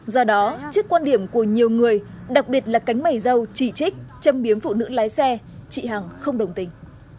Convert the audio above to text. do đó trước quan điểm của nhiều người đặc biệt là cánh mày dâu chỉ trích châm biếm phụ nữ lái xe chị hằng không đồng tình